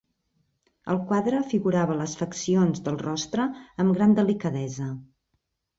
El quadre figurava les faccions del rostre amb gran delicadesa.